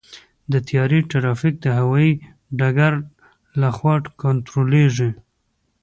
د طیارې ټرافیک د هوايي ډګر لخوا کنټرولېږي.